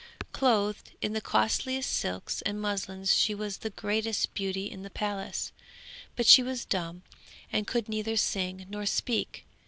Clothed in the costliest silks and muslins she was the greatest beauty in the palace, but she was dumb, and could neither sing nor speak.